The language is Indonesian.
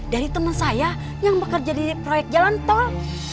dari teman saya yang bekerja di proyek jalan tol